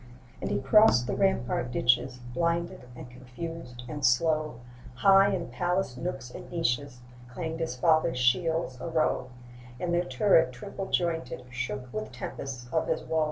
And he crossed the rampart ditches Blinded, and confused, and slow; High in palaced nooks and niches Clanged his fathers' shields a row; And their turrets triple jointed Shook with tempests of his woe.